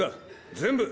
全部！